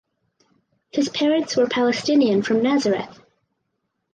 His parents were Palestinian from Nazareth.